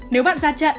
nếu bạn ra trận